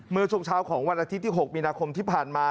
เมื่อช่วงเช้าของวันอาทิตย์ที่๖มีนาคมที่ผ่านมา